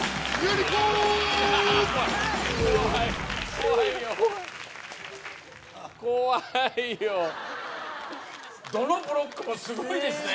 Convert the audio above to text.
怖い怖いよどのブロックもすごいですね